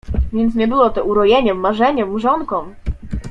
Więc nie było to urojeniem, marzeniem, mrzonką!